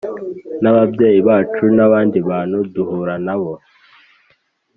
n’ababyeyi bacu n’abandi bantu duhura na bo